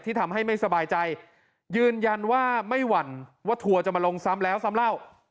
ทำให้ไม่สบายใจยืนยันว่าไม่หวั่นว่าทัวร์จะมาลงซ้ำแล้วซ้ำเล่า